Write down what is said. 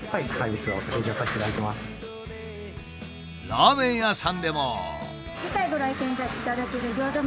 ラーメン屋さんでも。